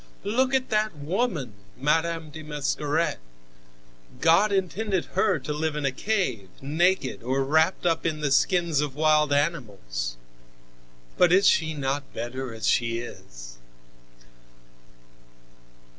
"Look at that woman, Madame de Mascaret. God intended her to live in a cave, naked or wrapped up in the skins of wild animals. But is she not better as she is?